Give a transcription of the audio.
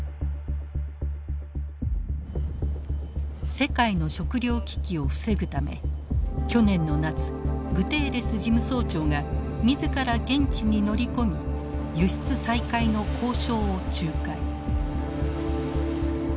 世界の食糧危機を防ぐため去年の夏グテーレス事務総長が自ら現地に乗り込み輸出再開の交渉を仲介。